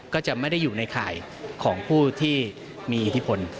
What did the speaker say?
ก็จะไม่ได้อยู่ในข่ายของผู้ที่มีอิทธิพล